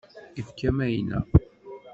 Ifka mayna.